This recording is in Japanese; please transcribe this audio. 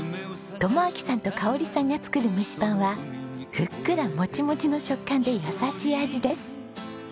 友晃さんと香織さんが作る蒸しパンはふっくらモチモチの食感で優しい味です。